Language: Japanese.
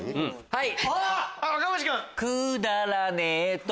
はい！